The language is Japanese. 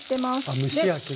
あ蒸し焼き。